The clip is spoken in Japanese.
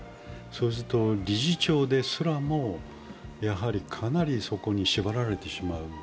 そうすると理事長ですらも、かなりそこに縛られてしまう。